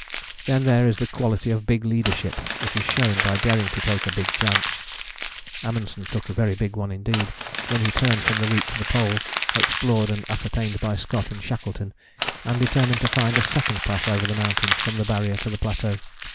Then there is the quality of big leadership which is shown by daring to take a big chance. Amundsen took a very big one indeed when he turned from the route to the Pole explored and ascertained by Scott and Shackleton and determined to find a second pass over the mountains from the Barrier to the plateau.